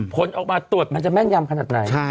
ผลออกมาตรวจมันจะแม่นยำขนาดไหน